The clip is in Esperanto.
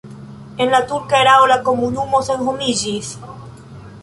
En la turka erao la komunumo senhomiĝis.